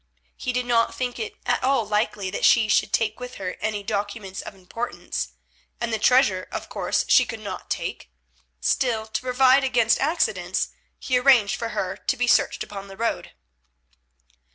He did not think it at all likely that she would take with her any documents of importance, and the treasure, of course, she could not take; still, to provide against accidents he arranged for her to be searched upon the road.